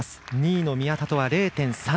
２位の宮田とは０．３００。